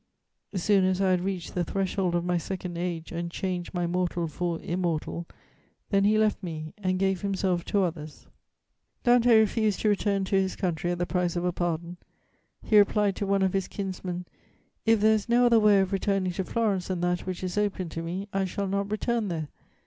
Soon as I had reach'd The threshold of my second age, and changed My mortal for immortal; then he left me, And gave himself to others. "Dante refused to return to his country at the price of a pardon. He replied to one of his kinsmen: "'If there is no other way of returning to Florence than that which is opened to me, I shall not return there.